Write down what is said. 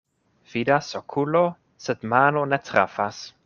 Vidas okulo, sed mano ne trafas.